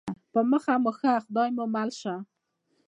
په مخه مو ښه خدای مو مل شه